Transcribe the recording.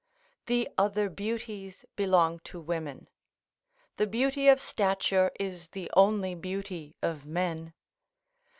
The other beauties belong to women; the beauty of stature is the only beauty of men.